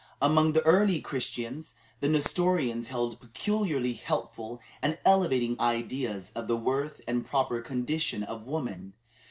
Among the early Christians, the Nestorians held peculiarly helpful and elevating ideas of the worth and proper condition of woman.